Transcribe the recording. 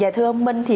thưa ông minh